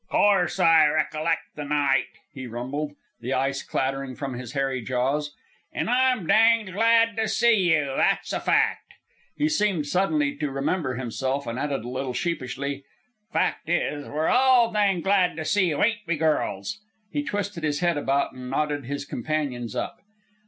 "'Course I recollect the night," he rumbled, the ice clattering from his hairy jaws. "And I'm danged glad to see you, that's a fact." He seemed suddenly to remember himself, and added a little sheepishly, "The fact is, we're all danged glad to see you, ain't we, girls?" He twisted his head about and nodded his companions up.